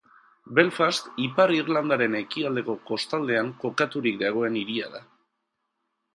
Belfast Ipar Irlandaren ekialdeko kostaldean kokaturik dagoen hiria da.